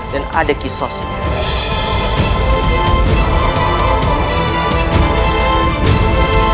dan ada juga tempat berubah